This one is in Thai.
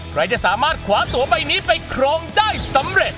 ใครจะสามารถขวาตัวใบนี้ไปครองได้สำเร็จ